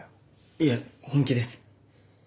いえ本気です。